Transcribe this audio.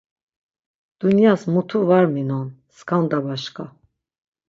Dunyas mutu var minon skanda başka.